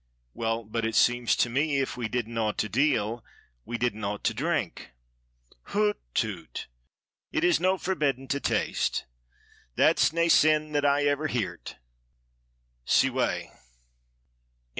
Well, but it seems to me if we didn't ought to deal we didn't ought to drink." "Hout! tout! it is no forbedden to taste thaat's nae sen that ever I heerd't C way."